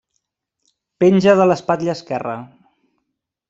Penja de l'espatlla esquerra.